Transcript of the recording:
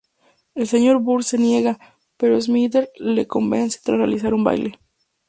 El Sr. Burns se niega, pero Smithers le convence tras realizar un baile.